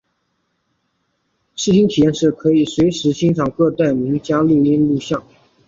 视听体验室中可以随时欣赏各代名家的录音录像。